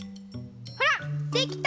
ほらできた！